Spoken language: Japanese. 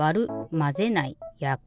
「まぜない」「やく」だな？